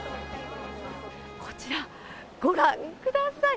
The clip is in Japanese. こちら、ご覧ください。